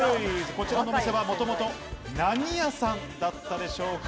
こちらのお店は、もともと何屋さんだったでしょうか？